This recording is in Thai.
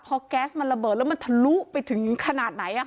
เพราะแก๊สมันระเบิดแล้วมันทะลุไปถึงกระน่าไหน